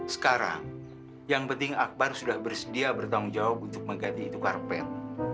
sekarang yang penting akbar sudah bersedia bertanggung jawab untuk mengganti itu karpet